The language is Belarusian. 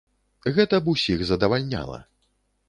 Гэта б усіх задавальняла.